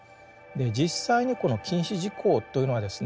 実際にこの禁止事項というのはですね